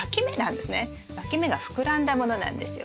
わき芽が膨らんだものなんですよ。